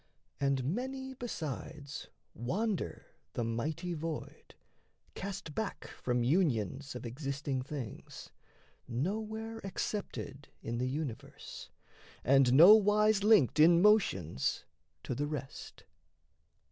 And many besides wander the mighty void Cast back from unions of existing things, Nowhere accepted in the universe, And nowise linked in motions to the rest.